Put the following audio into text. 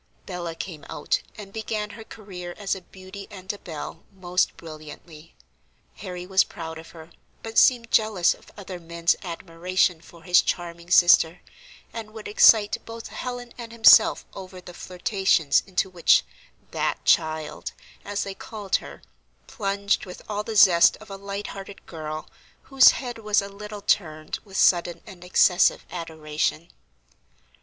Bella "came out" and began her career as a beauty and a belle most brilliantly. Harry was proud of her, but seemed jealous of other men's admiration for his charming sister, and would excite both Helen and himself over the flirtations into which "that child" as they called her, plunged with all the zest of a light hearted girl whose head was a little turned with sudden and excessive adoration.